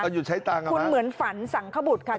หยุดใช้ตังค์คุณเหมือนฝันสังขบุตรค่ะ